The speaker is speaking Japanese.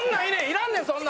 いらんねん